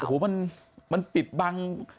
โอ้โหมันปิดบัง